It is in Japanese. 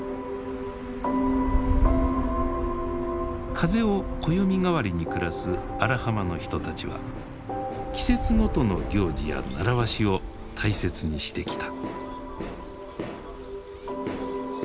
風を暦代わりに暮らす荒浜の人たちは季節ごとの行事や習わしを大切にしてきた。